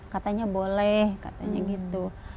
katanya boleh katanya gitu